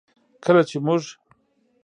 کله چې موږ